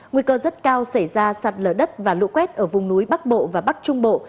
nguy cơ rất cao xảy ra sạt lở đất và lũ quét ở vùng núi bắc bộ và bắc trung bộ